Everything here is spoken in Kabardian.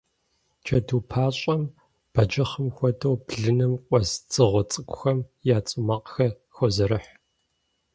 Джэду пащӏэм, бэджыхъым хуэдэу, блыным къуэс дзыгъуэ цӏыкӏухэм я цӏу макъхэр хозэрыхь.